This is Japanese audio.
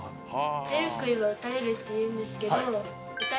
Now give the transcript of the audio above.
「出る杭は打たれる」っていうんですけど。